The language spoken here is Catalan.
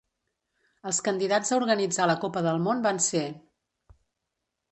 Els candidats a organitzar la copa del món van ser: